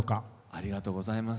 ありがとうございます。